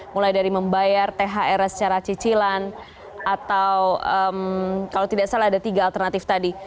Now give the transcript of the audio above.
mulai dari membayar thr secara cicilan atau kalau tidak salah ada tiga alternatif tadi